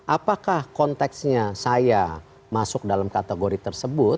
apakah konteksnya saya masuk dalam kategori tersebut